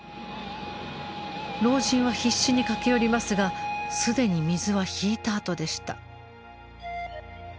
老人は必死に駆け寄りますが既に水は引いたあとでした。